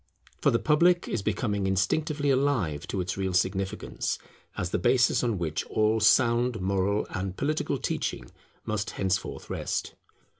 For the public is becoming instinctively alive to its real significance, as the basis on which all sound moral and political teaching must henceforth rest.